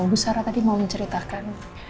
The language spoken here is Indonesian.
bu sarah tadi mau menceritakan